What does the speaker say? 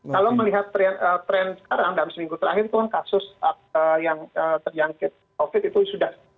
kalau melihat tren sekarang dalam seminggu terakhir itu kan kasus yang terjangkit covid itu sudah